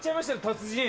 達人！